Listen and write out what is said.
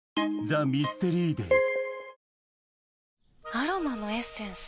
アロマのエッセンス？